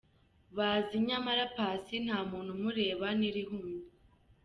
bazi nyamara Paccy nta muntu umureba nirihumye.